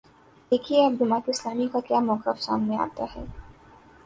دیکھیے اب جماعت اسلامی کا کیا موقف سامنے آتا ہے۔